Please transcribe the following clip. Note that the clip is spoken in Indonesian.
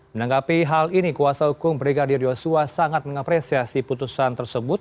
menanggapi hal ini kuasa hukum brigadir yosua sangat mengapresiasi putusan tersebut